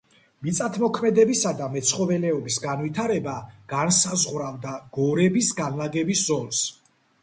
მიწათმოქმედებისა და მეცხოველეობის განვითარება განსაზღვრავდა გორების განლაგების ზოლს.